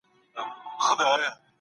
خلاصوي سړی له دین او له ایمانه